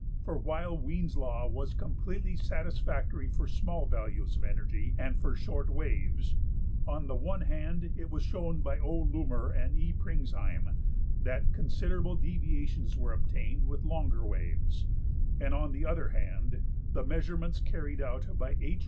For while Wien's law was completely satisfactory for small values of energy and for short waves, on the one hand it was shown by O.~Lummer and E.~Pringsheim that considerable deviations were obtained with longer waves(10), and on the other hand the measurements carried out by H.